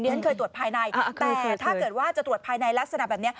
ฉันเคยตรวจภายในแต่ถ้าเกิดว่าจะตรวจภายในลักษณะแบบนี้